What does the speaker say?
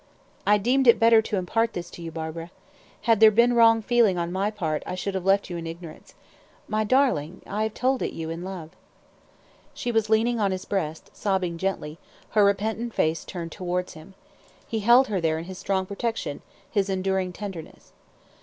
"I deemed it better to impart this to you, Barbara. Had there been wrong feeling on my part, I should have left you in ignorance. My darling, I have told you it in love." She was leaning on his breast, sobbing gently, her repentant face turned towards him. He held her there in his strong protection, his enduring tenderness.